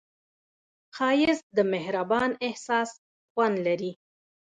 ښایست د مهربان احساس خوند لري